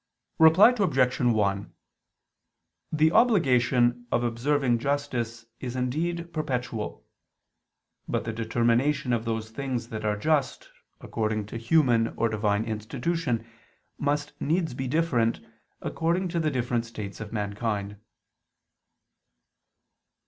Reply Obj. 1: The obligation of observing justice is indeed perpetual. But the determination of those things that are just, according to human or Divine institution, must needs be different, according to the different states of mankind.